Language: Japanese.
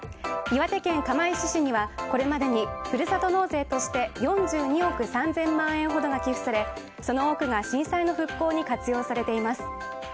岩手県釜石市にはこれまでにふるさと納税として４２億３０００万円ほどが寄付されその多くが震災の復興に活用されています。